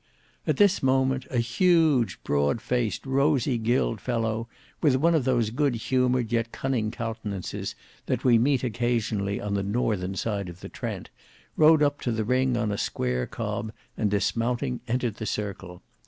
At this moment, a huge, broad faced, rosy gilled fellow, with one of those good humoured yet cunning countenances that we meet occasionally on the northern side of the Trent, rode up to the ring on a square cob and dismounting entered the circle.